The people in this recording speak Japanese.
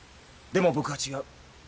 でも僕は違う。